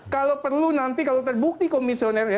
kalau perlu nanti kalau terbukti komisionernya